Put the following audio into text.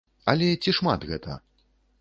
Але ці шмат гэта?